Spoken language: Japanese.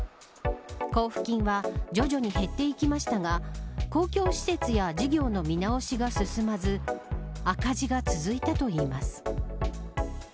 交付金は徐々に減っていきましたが公共施設や事業の見直しが進まず赤字が続いたといいます。